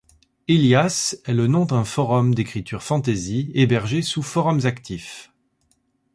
Hélias est le nom d'un forum d'écriture Fantasy hébergé sous Forumsactifs.